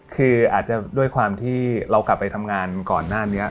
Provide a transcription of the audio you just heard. คืออาจจะด้วยความที่เรากลับไปทำงานก่อนหน้านี้